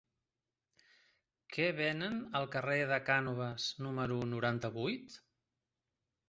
Què venen al carrer de Cànoves número noranta-vuit?